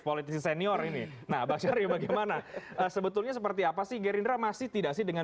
politisi senior ini nah bang syari bagaimana sebetulnya seperti apa sih gerindra masih tidak sih dengan